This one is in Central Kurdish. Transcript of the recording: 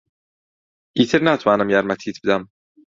ئیتر ناتوانم یارمەتیت بدەم.